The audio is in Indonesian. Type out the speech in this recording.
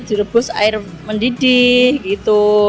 direbus air mendidih gitu